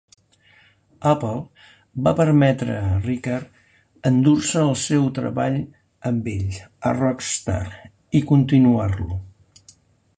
Apple va permetre a Richard endur-se el seu treball amb ell a Rockstar i continuar-lo.